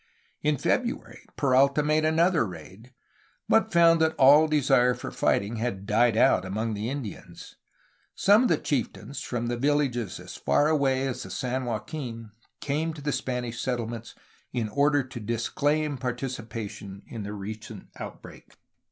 In February, Peralta made another raid, but found that all de sire for fighting had died out among the Indians. Some of the chieftains from villages as far away as the San Joaquin came to the Spanish settlements in order to disclaim partici pation in the recent outbreak.